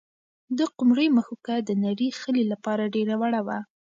د قمرۍ مښوکه د نري خلي لپاره ډېره وړه وه.